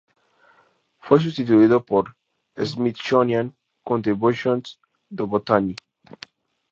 Fue sustituido por "Smithsonian Contributions to Botany".